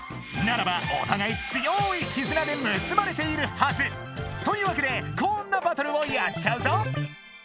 ならばおたがい強い絆でむすばれているはず。というわけでこんなバトルをやっちゃうぞ！